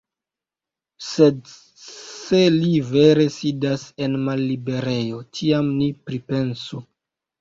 Sed se li vere sidas en malliberejo, tiam ni pripensu.